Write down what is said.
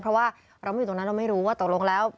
เพราะว่าเราไม่อยู่ตรงนั้นเราไม่รู้ว่าตกลงแล้ว